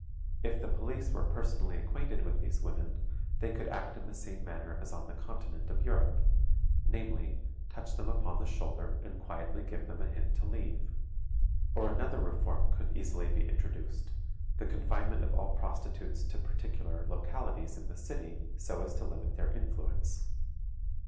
If the police were personally acquainted with these women, they could act in the same manner as on the Continent of Europe, namely, touch them upon the shoulder and quietly give them a hint to leave. Or another reform could easily be introduced the confinement of all prostitutes to particular localities in the city, so as to limit their influence.